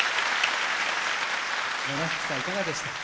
奈々福さんいかがでしたか？